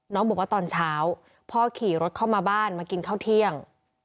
น้องบอกว่าตอนเช้าพ่อขี่รถเข้ามาบ้านมากินข้าวเที่ยง